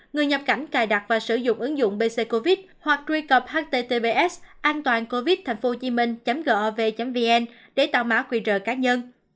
người nhập cảnh cài đặt và sử dụng ứng dụng bc covid hoặc truy cập https an toàncovid hc gov vn để tạo mã quy trợ cá nhân